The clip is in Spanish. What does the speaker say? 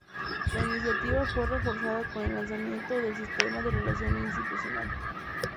La iniciativa fue reforzada con el lanzamiento del Sistema de Relación Institucional.